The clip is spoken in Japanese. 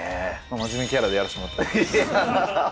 真面目キャラでやらせてもらってます。